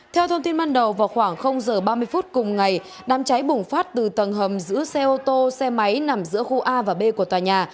theo thông tin ban đầu vào khoảng h ba mươi phút cùng ngày đám cháy bùng phát từ tầng hầm giữa xe ô tô xe máy nằm giữa khu a và b của tòa nhà